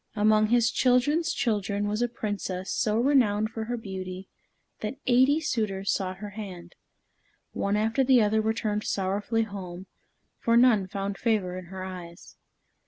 Among his children's children was a Princess so renowned for her beauty that eighty suitors sought her hand. One after the other returned sorrowfully home, for none found favor in her eyes.